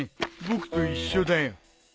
僕と一緒だよ。